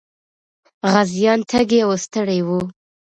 غازيان تږي او ستړي وو.